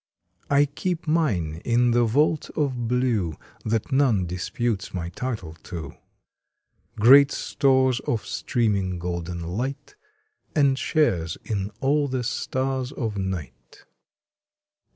I keep mine in the Vault of Blue That none disputes my title to Great stores of streaming golden light, And shares in all the Stars of Night.